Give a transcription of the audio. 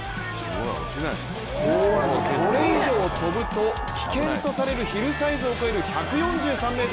これ以上飛ぶと危険とされるヒルサイズを超える１４３ｍ。